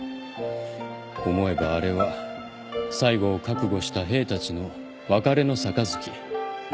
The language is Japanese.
思えばあれは最後を覚悟した兵たちの別れの杯。